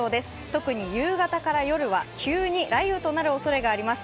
特に夕方から夜は急に雷雨となるおそれがあります。